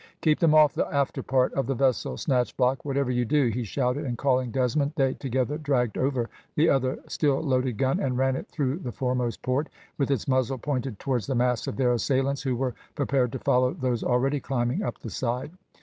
"Keep them off the after part of the vessel, Snatchblock, whatever you do," he shouted, and calling Desmond they together dragged over the other still loaded gun and ran it through the foremost port, with its muzzle pointed towards the mass of their assailants, who were prepared to follow those already climbing up the side.